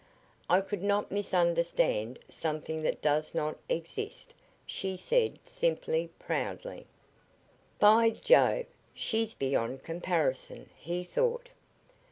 "I could not misunderstand something that does not exist," she said, simply, proudly. "By Jove, she's beyond comparison!" he thought.